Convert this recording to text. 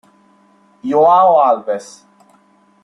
João Alves